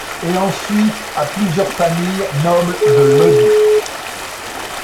Et ensuite à plusieurs familles nobles de Lodi.